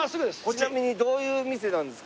ちなみにどういう店なんですか？